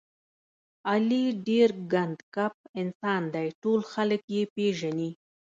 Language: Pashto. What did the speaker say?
علي ډېر ګنډ کپ انسان دی، ټول خلک یې پېژني.